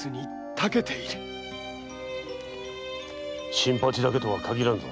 新八だけとは限らんぞ。